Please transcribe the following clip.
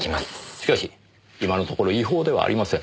しかし今のところ違法ではありません。